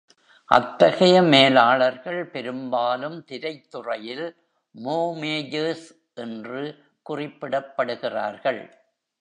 அத்தகைய மேலாளர்கள் பெரும்பாலும் திரைத்துறையில் "மோமேஜர்ஸ்" என்று குறிப்பிடப்படுகிறார்கள்.